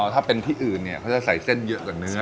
ถ้าเป็นที่อื่นเนี่ยเขาจะใส่เส้นเยอะกว่าเนื้อ